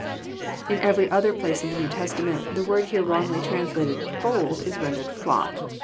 In every other place in the New Testament the word here wrongly translated fold," is rendered " flock."